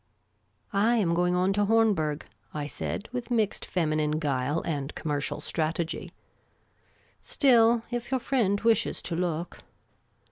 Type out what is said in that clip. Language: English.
" I am going on to Hornberg," I said, with mixed feminine guile and commercial strategy ;" still, if your friend wishes to look